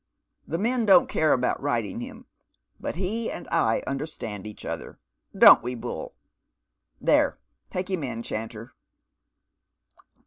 The men don't care about riding him, but he and I understand each other, — don't we, Bull? There, take bim in, Chanter."